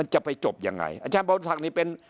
จะไปจบยังไงอาจารย์บรมศักดิ์นี่เป็น